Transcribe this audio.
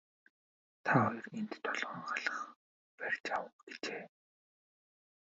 Та хоёр энд толгойн халх барьж ав гэжээ.